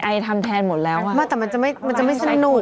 ทำแทนหมดแล้วอ่ะไม่แต่มันจะไม่มันจะไม่สนุก